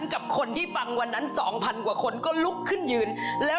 ของท่านได้เสด็จเข้ามาอยู่ในความทรงจำของคน๖๗๐ล้านคนค่ะทุกท่าน